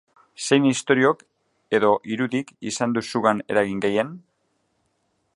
Zein istoriok edo irudik izan du zugan eragin gehien?